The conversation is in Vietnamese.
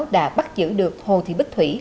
đã bắt giữ được hồ thị bích thủy